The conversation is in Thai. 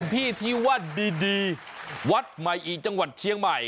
ที่ที่ว่าดีวัดใหม่อีจังหวัดเชียงใหม่